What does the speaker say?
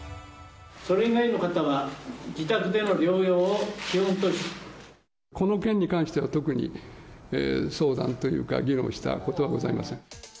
それ以外の方は、この件に関しては、特に相談というか、議論したことはございません。